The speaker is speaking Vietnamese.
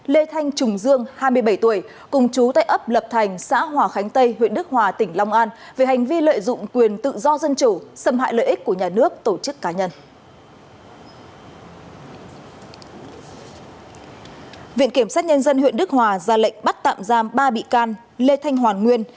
lê thanh trùng dương hai mươi bảy tuổi cùng chú tại ấp lập thành xã hòa khánh tây huyện đức hòa tỉnh long an